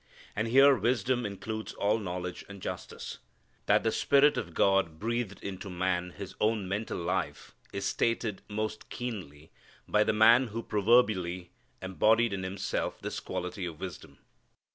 And here wisdom includes all knowledge and justice. That the Spirit of God breathed into man His own mental life is stated most keenly by the man who proverbially embodied in himself this quality of wisdom.